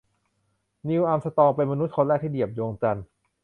นีล อาร์มสตรองเป็นมนุษย์คนแรกที่เหยียบดวงจันทร์